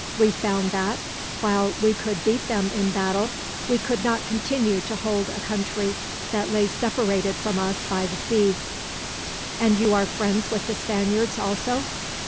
We found that, while we could beat them in battle, we could not continue to hold a country that lay separated from us by the sea." "And you are friends with the Spaniards also?"